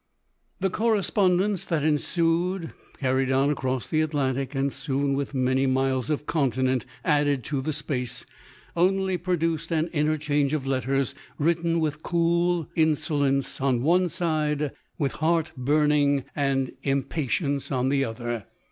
The correspondence that ensued, carried on across the Atlantic, and soon with many miles of continent added to the space, only produced an interchange of letters written with cool inso lence on one side, with heart burning and im 201 LODORI.. patience on the other.